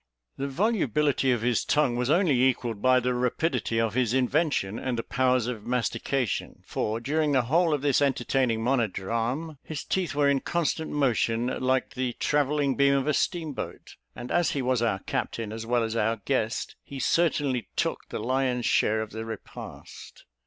The volubility of his tongue was only equalled by the rapidity of his invention and the powers of mastication; for, during the whole of this entertaining monodrame, his teeth were in constant motion, like the traversing beam of a steam boat; and as he was our captain as well as our guest, he certainly took the lion's share of the repast.